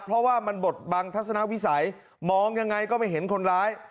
เพราะว่ามันบดบังทัศนวิสัยมองยังไงก็ไม่เห็นคนร้าย